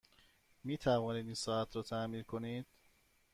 می توانید این ساعت را تعمیر کنید؟